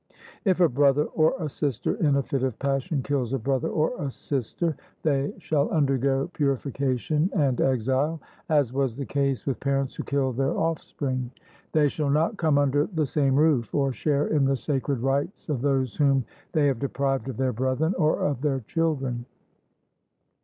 If a brother or a sister in a fit of passion kills a brother or a sister, they shall undergo purification and exile, as was the case with parents who killed their offspring: they shall not come under the same roof, or share in the sacred rites of those whom they have deprived of their brethren, or of their children.